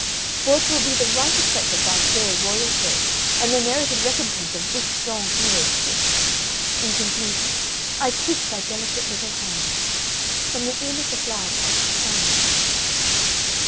For it will be the right effect of thy fair royal grace and the merited recompense of this strong hero's fist. In conclusion, I kiss thy delicate little hands. "From the Inn of the Flower pot, Sunday."